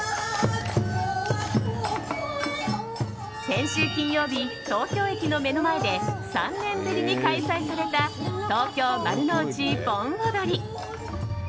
先週金曜日、東京駅の目の前で３年ぶりに開催された東京丸の内盆踊り。